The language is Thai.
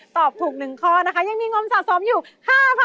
ตอบถูก๑ข้อนะคะยังมีหง่อมสะสมอยู่๕๐๐๐บาทค่ะ